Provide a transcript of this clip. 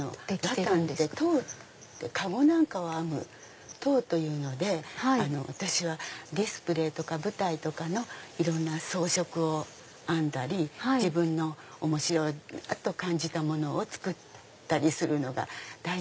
ラタンって籐籠なんかを編む籐というので私はディスプレーとか舞台とかの装飾を編んだり自分の面白いなぁと感じたものを作ったりするのが大好きで。